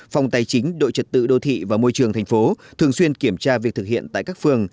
phòng tài chính đội trật tự đô thị và môi trường thành phố thường xuyên kiểm tra việc thực hiện tại các phường